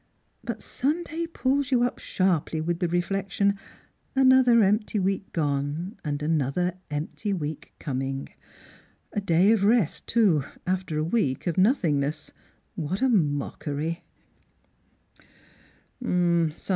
But Sunday pulls you up sharj^ly with the reflection —' Another empty week gone ; another empty week coming!' A day of rest, too, after a week of nothingness. What a mockery